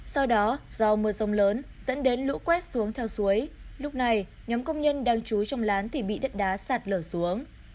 sau đó do mưa rông lớn dẫn đến lũ quét xuống theo suối lúc này nhóm công nhân đang trú trong lán thì bị đất đá sạt lở xuống